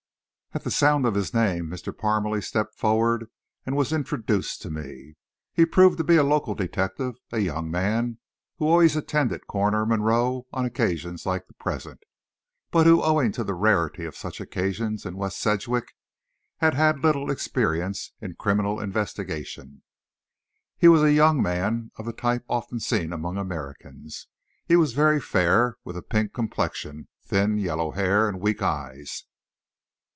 At the sound of his name, Mr. Parmalee stepped forward and was introduced to me. He proved to be a local detective, a young man who always attended Coroner Monroe on occasions like the present; but who, owing to the rarity of such occasions in West Sedgwick, had had little experience in criminal investigation. He was a young man of the type often seen among Americans. He was very fair, with a pink complexion, thin, yellow hair and weak eyes.